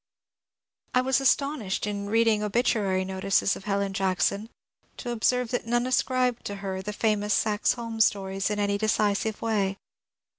I wafl astonished in reading obituary notices of Helen Jack P son to observe that none ascribed to her the famous Saxe Holm stories in any decisive way.